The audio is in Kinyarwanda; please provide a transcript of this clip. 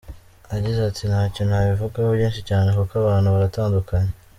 Yagize ati “Ntacyo nabivugaho byinshi cyane kuko abantu baratandukanye.